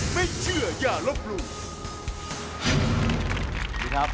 สวัสดีครับ